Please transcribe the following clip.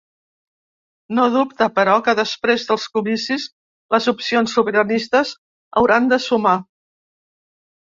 No dubta, però, que després dels comicis les opcions sobiranistes hauran de sumar.